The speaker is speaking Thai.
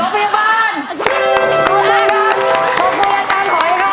ขอบคุณด้านข้างหล่อยครับ